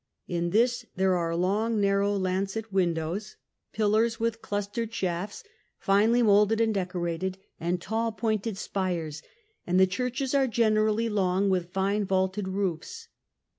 In this there are long, narrow lancet windows, Io8 THE CHURCHES. pillars with clustered shafts, finely moulded and decorated, and tall pointed spires; and the churches are generally long, with fine vaulted roofs.